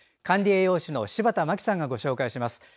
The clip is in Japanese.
管理栄養士の柴田真希さんがご紹介します。